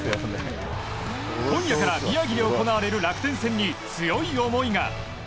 今夜から宮城で行われる楽天戦に強い思いが。